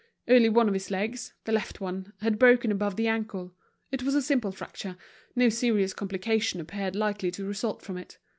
Only one of his legs, the left one, was broken above the ankle; it was a simple fracture, no serious complication appeared likely to result from it.